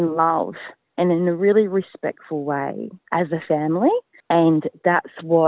dalam kehidupan kita akan melakukan hal hal yang berbeda